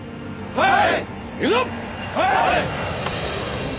はい！